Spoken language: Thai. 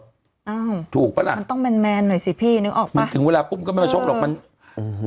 อ้าวถูกปะล่ะมันต้องแมนแมนหน่อยสิพี่นึกออกไหมมันถึงเวลาปุ๊บก็ไม่มาชกหรอกมันโอ้โห